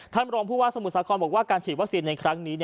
รองผู้ว่าสมุทรสาครบอกว่าการฉีดวัคซีนในครั้งนี้